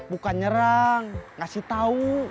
bukan nyerang ngasih tau